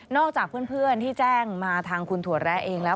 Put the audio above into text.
จากเพื่อนที่แจ้งมาทางคุณถั่วแร้เองแล้ว